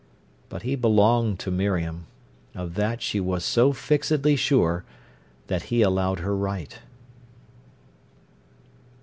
But he belonged to Miriam. Of that she was so fixedly sure that he allowed her right.